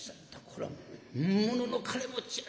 これは本物の金持ちやな。